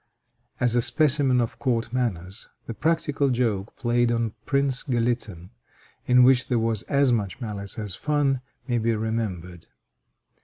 As a specimen of court manners, the practical joke played on Prince Galitzin, in which there was as much malice as fun, may be remembered.